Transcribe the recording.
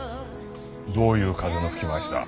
どういう風の吹き回しだ？